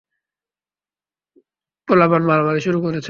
পোলাপান মারামারি শুরু করেছে।